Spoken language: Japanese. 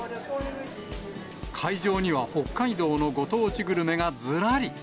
会場には北海道のご当地グルメがずらり。